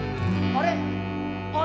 あれ？